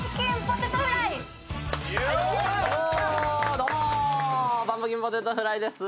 どうもパンプキンポテトフライです。